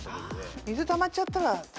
水たまっちゃったら。